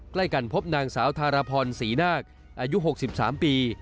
ใกล้กันพบนางสาวธารพรศรีนาคอายุ๖๓ปี